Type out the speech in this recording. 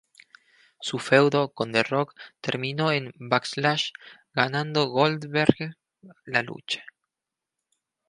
Su feudo con The Rock terminó en Backlash, ganando Goldberg la lucha.